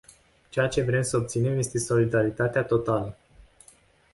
Ceea ce vrem să obținem este solidaritatea totală.